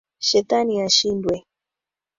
Shetani ashindwe